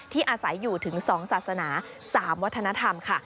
ที่อาศัยอยู่ถึงสองศาสนาสามวัฒนธรรมค่ะ